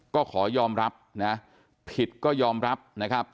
ก็ขอยอมรับนะผิดก็ยอมรับนะครับ